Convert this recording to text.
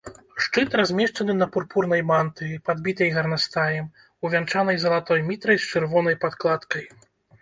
Шчыт размешчаны на пурпурнай мантыі, падбітай гарнастаем, увянчанай залатой мітрай з чырвонай падкладкай.